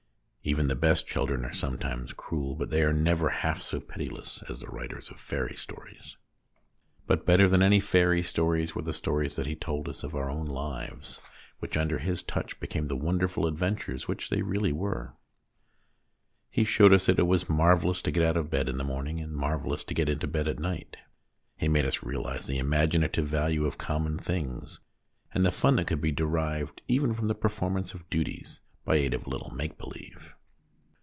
Even the best children are sometimes cruel, but they are never half so pitiless as the writers of fairy stories. But better than any fairy stories were the stories that he told us of our own lives, 30 THE DAY BEFORE YESTERDAY which under his touch became the wonderful adventures which they really were. He showed us that it was marvellous to get out of bed in the morning, and marvellous to get into bed at night. He made us realise the imaginative value of common things, and the fun that could be derived even from the performance of duties, by aid of a little make believe.